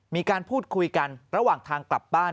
มีการพูดคุยกันระหว่างทางกลับบ้าน